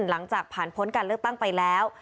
หลังจากผ่านพ้นการเลือกตั้งไปแล้ว